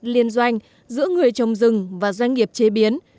liên doanh giữa người trồng rừng và doanh nghiệp chế biến